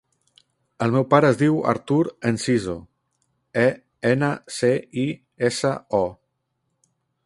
El meu pare es diu Artur Enciso: e, ena, ce, i, essa, o.